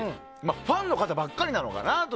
ファンの方ばっかりなのかなと。